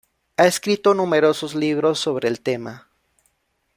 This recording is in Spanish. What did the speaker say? Ha escrito numerosos libros sobre el tema.